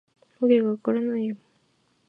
わけが分からないよ